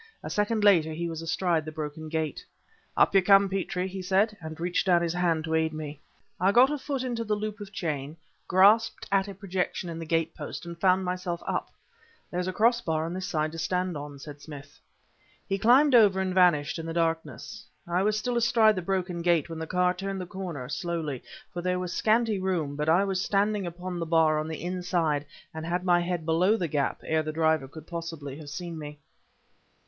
A second later he was astride the broken gate. "Up you come, Petrie!" he said, and reached down his hand to aid me. I got my foot into the loop of chain, grasped at a projection in the gatepost and found myself up. "There is a crossbar on this side to stand on," said Smith. He climbed over and vanished in the darkness. I was still astride the broken gate when the car turned the corner, slowly, for there was scanty room; but I was standing upon the bar on the inside and had my head below the gap ere the driver could possibly have seen me.